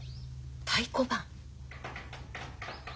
太鼓判？